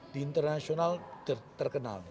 di internasional terkenal